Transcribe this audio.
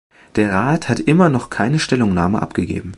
Der Rat hat immer noch keine Stellungnahme abgegeben.